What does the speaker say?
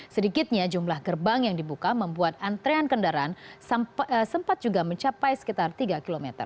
sedikitnya jumlah gerbang yang dibuka membuat antrean kendaraan sempat juga mencapai sekitar tiga km